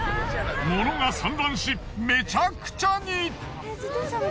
ものが散乱しめちゃくちゃに。